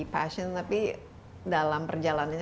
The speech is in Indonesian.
passion tapi dalam perjalanannya